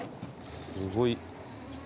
すごい。